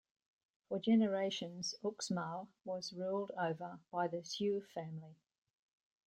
For generations Uxmal was ruled over by the Xiu family.